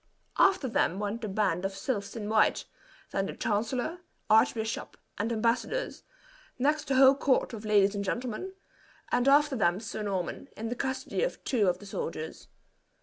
After them went the band of sylphs in white, then the chancellor, archbishop, and embassadors; next the whole court of ladies and gentlemen; and after them Sir Norman, in the custody of two of the soldiers.